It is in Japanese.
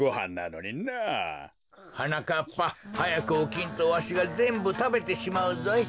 はなかっぱはやくおきんとわしがぜんぶたべてしまうぞい。